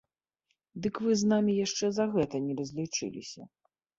Дык вы з намі яшчэ за гэта не разлічыліся.